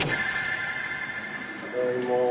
ただいま。